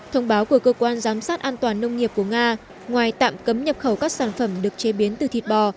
thông báo của cơ quan giám sát an toàn nông nghiệp của nga ngoài tạm cấm nhập khẩu các sản phẩm được chế biến từ thịt bò